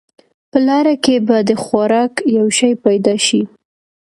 په لاره کې به د خوراک یو شی پیدا شي.